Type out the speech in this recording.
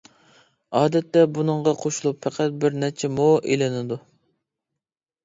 ئادەتتە بۇنىڭغا قوشۇلۇپ پەقەت بىر نەچچە مو ئېلىنىدۇ.